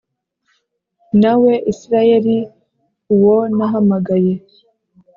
nawe Isirayeli uwo nahamagaye